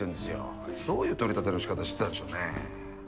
あいつどういう取り立てのしかたしてたんでしょうね。